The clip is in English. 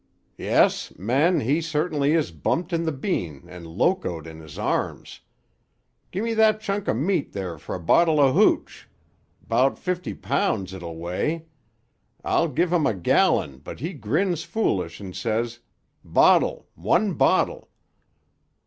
"Yes, men, he certainly is bumped in the bean and locoed in his arms. Gimme that chunk o' meat there for a bottle o' hooch. 'Bout fifty pounds, it'll weigh. I'd give 'im a gallon, but he grins foolish and says: 'Bottle. One bottle.